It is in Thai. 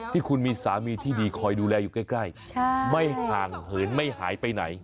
ที่คุณมีสามีที่ดีคอยดูแลอยู่ใกล้ไม่ห่างเหินไม่หายไปไหน